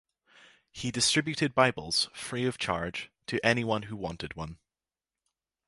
He distributed Bibles, free of charge, to anyone who wanted one.